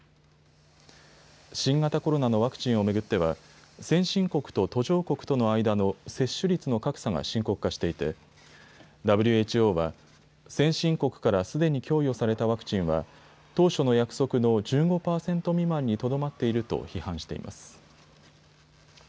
新型コロナのワクチンを巡っては先進国と途上国との間の接種率の格差が深刻化していてＷＨＯは先進国からすでに供与されたワクチンは当初の約束の１５％未満にとどまっていると批判しています。